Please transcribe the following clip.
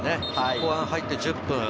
後半入って１０分。